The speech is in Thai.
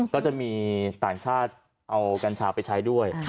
ก็จะมีต่างชาติเอากัญชาไปใช้ด้วย